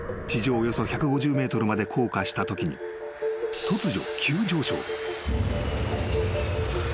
およそ１５０ｍまで降下したときに突如］